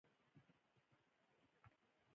خو که چېرې مو پښې زیاتې پراخې وي